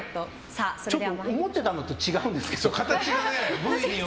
思ってたのと違うんですけど。